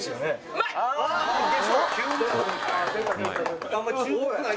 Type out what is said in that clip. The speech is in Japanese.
うまい！